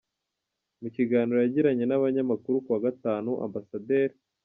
Mu kiganiro yagiranye n’abanyamakuru ku wa Gatanu, Amb.